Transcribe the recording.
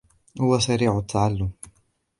هو سريع التعلم.